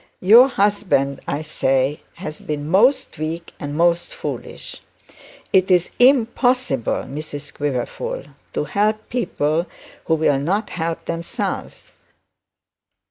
Your husband, I say, has been most weak and most foolish. It is impossible, Mrs Quiverful, to help people who will not help themselves.